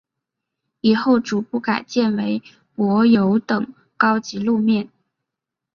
以后逐步改建为柏油等高级路面。